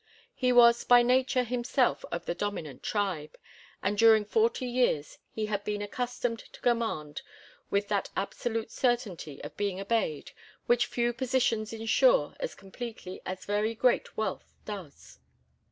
He was by nature himself of the dominant tribe, and during forty years he had been accustomed to command with that absolute certainty of being obeyed which few positions insure as completely as very great wealth does.